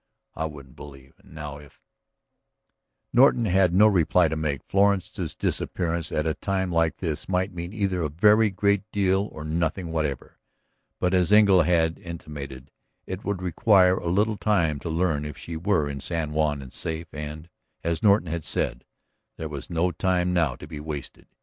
I wouldn't believe. And now, if ..." Norton had no reply to make. Florence's disappearance at a time like this might mean either a very great deal or nothing whatever. But, as Engle had intimated, it would require but little time to learn if she were in San Juan and safe, and, as Norton had said, there was no time now to be wasted.